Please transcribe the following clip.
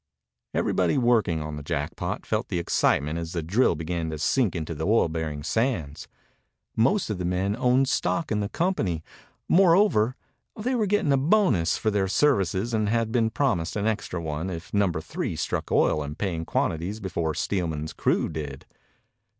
Everybody working on the Jackpot felt the excitement as the drill began to sink into the oil bearing sands. Most of the men owned stock in the company. Moreover, they were getting a bonus for their services and had been promised an extra one if Number Three struck oil in paying quantities before Steelman's crew did.